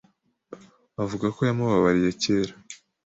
avuga ko yamubabariye kera